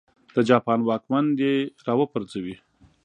د جاپان واکمن دې را وپرځوي.